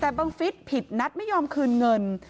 แต่บังฟิศผิดนัดไม่ยอมคืนเงิน